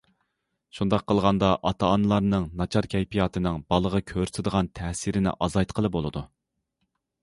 شۇنداق قىلغاندا ئاتا ئانىلارنىڭ ناچار كەيپىياتىنىڭ بالىغا كۆرسىتىدىغان تەسىرىنى ئازايتقىلى بولىدۇ.